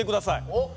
おっ。